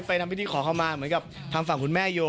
ทำพิธีขอเข้ามาเหมือนกับทางฝั่งคุณแม่โย